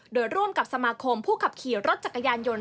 โดยร่วมกับสมาคมผู้ขับขี่รถจักรยานยนต์